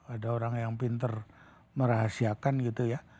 ada orang yang pinter merahasiakan gitu ya